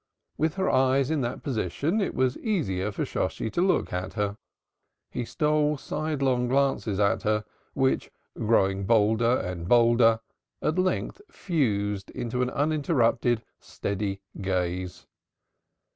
With her eyes in that position it was easier for Shosshi to look at her. He stole side long glances at her, which, growing bolder and bolder, at length fused into an uninterrupted steady gaze.